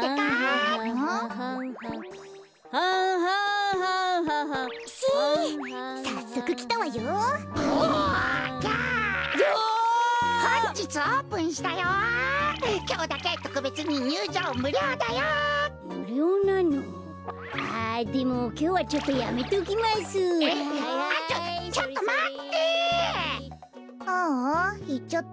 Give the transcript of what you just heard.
ああいっちゃった。